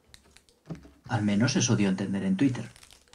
Al menos eso dio a entender en Twitter.